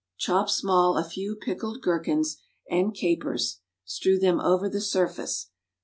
Chop small a few pickled gherkins and capers, strew them over the surface.